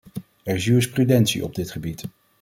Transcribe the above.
Er is jurisprudentie op dit gebied.